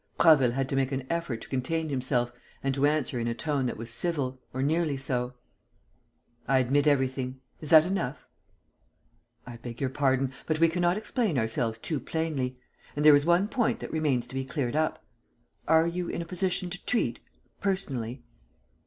Prasville had to make an effort to contain himself and to answer in a tone that was civil, or nearly so: "I admit everything. Is that enough?" "I beg your pardon, but we cannot explain ourselves too plainly. And there is one point that remains to be cleared up. Are you in a position to treat, personally?"